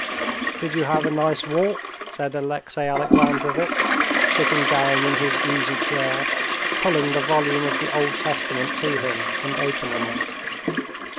"Did you have a nice walk?" said Alexey Alexandrovitch, sitting down in his easy chair, pulling the volume of the Old Testament to him and opening it.